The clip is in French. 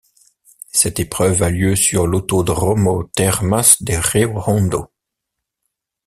Cette épreuve a lieu sur l'Autódromo Termas de Río Hondo.